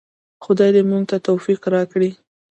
خدای دې موږ ته توفیق راکړي